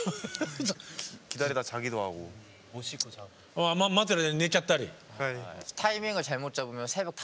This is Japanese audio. ああ待ってる間に寝ちゃったり。